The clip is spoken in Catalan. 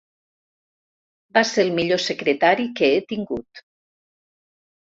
Va ser el millor secretari que he tingut.